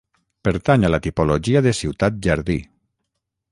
Pertany a la tipologia de ciutat-jardí.